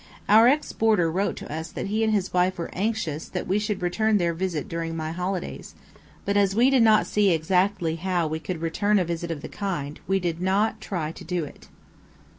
Our ex boarder wrote to us that he and his wife were anxious that we should return their visit during my holidays; but as we did not see exactly how we could return a visit of the kind, we did not try to do it.